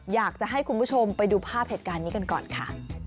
อยากจะให้คุณผู้ชมไปดูภาพเหตุการณ์นี้กันก่อนค่ะ